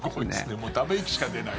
もうため息しか出ない。